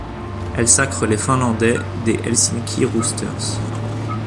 Elle sacre les Finlandais des Helsinki Roosters.